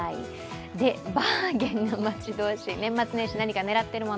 バーゲンが待ち遠しい、年末年始何か狙っているもの。